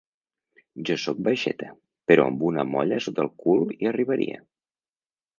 Jo soc baixeta, però amb una molla sota el cul hi arribaria.